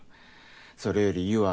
それより優愛